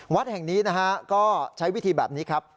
วัดแห่งนี้นะฮะก็ใช้วิธีแบบนี้ครับ